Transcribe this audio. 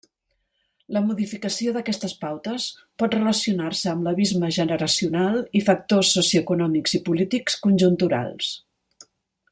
La modificació d'aquestes pautes pot relacionar-se amb l'abisme generacional i factors socioeconòmics i polítics conjunturals.